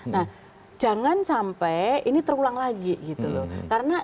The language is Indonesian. nah jangan sampai ini terulang lagi gitu loh